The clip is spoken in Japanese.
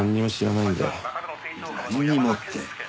なんにもって。